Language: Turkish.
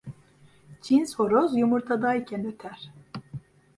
Cins horoz yumurtada iken öter.